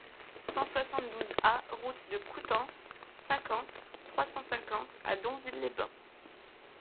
cent soixante-douze A route de Coutances, cinquante, trois cent cinquante à Donville-les-Bains